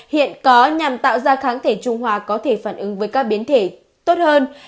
hiện có nhằm tạo ra kháng thể trung hòa có thể phản ứng với các biến thể tốt hơn